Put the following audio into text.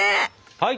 はい。